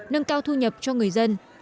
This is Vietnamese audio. nâng cao thu nhập cho người dân